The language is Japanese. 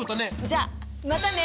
じゃあまたね。